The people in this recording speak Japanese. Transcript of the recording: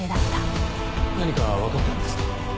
何かわかったんですか？